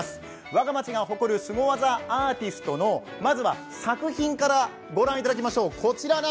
「わが町が誇るスゴ技アーティスト」のまずは作品から御覧いただきましょう。